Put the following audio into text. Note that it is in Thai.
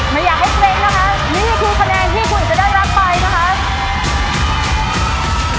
ไม่อยากให้เพลงนะคะนี่คือคะแนนที่คุณจะได้รับไปนะคะ